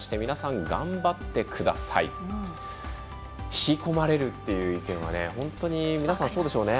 引き込まれるという意見は皆さん、そうでしょうね。